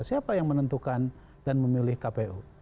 siapa yang menentukan dan memilih kpu